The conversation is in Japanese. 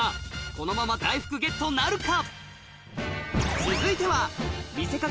このまま大福ゲットなるか？